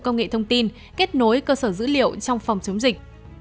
công nghệ thông tin kết nối cơ sở dữ liệu trong phòng chống dịch